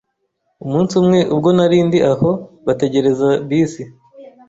Umunsi umwe ubwo nari ndi aho bategerereza bisi,